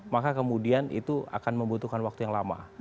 maka kemudian itu akan membutuhkan waktu yang lama